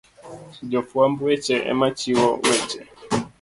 Jofwamb weche ema chiwo weche